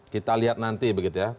kita lihat nanti begitu ya